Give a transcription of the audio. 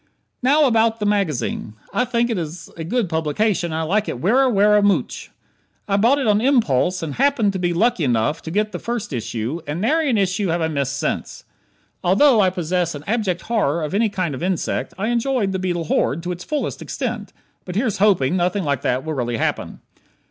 Now, about the magazine. I think it is a good publication and I like it werra, werra mooch. I bought it on impulse and happened to be lucky enough to get the first issue, and nary an issue have I missed since. Although I possess an abject horror of any kind of insect, I enjoyed "The Beetle Horde" to the fullest extent. But here's hoping nothing like that will really happen.